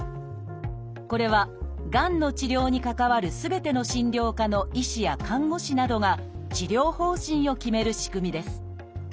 これはがんの治療に関わるすべての診療科の医師や看護師などが治療方針を決める仕組みです。